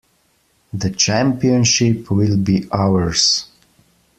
The championship will be ours!